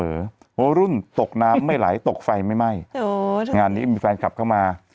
โอ้รุ่นตกน้ำไม่ไหลตกไฟไม่ไหม้โอ้ทุกคนงานนี้มีแฟนคลับเข้ามา